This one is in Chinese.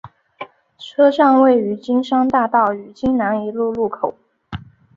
车站位于金山大道与金南一路路口。